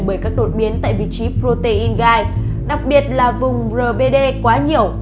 bởi các đột biến tại vị trí protein gai đặc biệt là vùng rbd quá nhiều